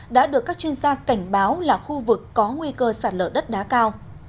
đã được các chuyên gia cảnh báo là khu vực có nguy cơ sạt lở đất đá cao